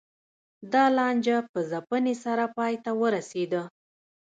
دا لانجه په ځپنې سره پای ته ورسېده